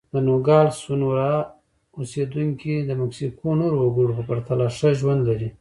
د نوګالس سونورا اوسېدونکي د مکسیکو نورو وګړو په پرتله ښه ژوند لري.